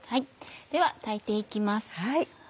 では炊いて行きます。